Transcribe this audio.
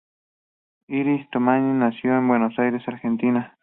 Iris Torriani nació en Buenos Aires, Argentina.